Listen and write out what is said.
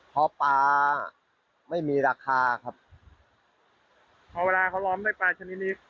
เพราะปลาไม่มีราคาครับพอเวลาเขาล้อมด้วยปลาชนิดนี้